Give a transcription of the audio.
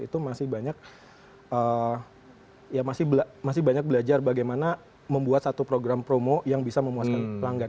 itu masih banyak belajar bagaimana membuat satu program promo yang bisa memuaskan pelanggan